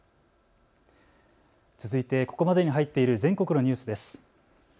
続いてここまでに入っている全国のニュースです。